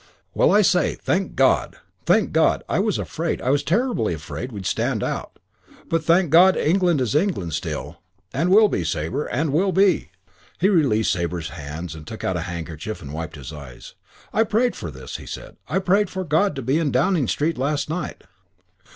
Well, I say, thank God! Thank God! I was afraid. I was terribly afraid we'd stand out. But thank God, England is England still.... And will be, Sabre; and will be!" He released Sabre's hands and took out a handkerchief and wiped his eyes. "I prayed for this," he said. "I prayed for God to be in Downing Street last night."